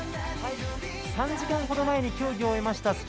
３時間ほど前に競技を終えました